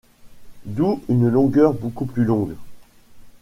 D'où une longueur beaucoup plus longue.